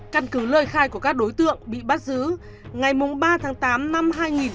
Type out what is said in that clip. căn cứ lời khai của các đối tượng bị bắt giữ ngày ba tháng tám năm hai nghìn một mươi chín